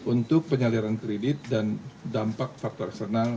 untuk penyaliran kredit dan dampak faktor eksternal